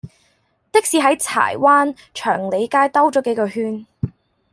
的士喺柴灣祥利街兜左幾個圈